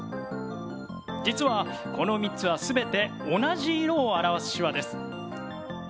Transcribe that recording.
実はこの３つは全て同じ色を表す手話です。